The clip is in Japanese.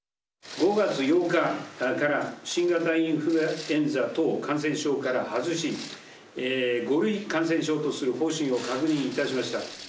５月８日から新型インフルエンザ等感染症から外し、５類感染症とする方針を確認いたしました。